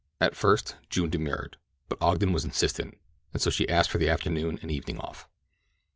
At first June demurred, but Ogden was insistent, and so she asked for the afternoon and evening off.